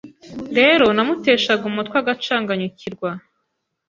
rero namuteshaga umutwe agacanganyukirwa